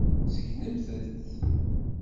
Segnemt-t.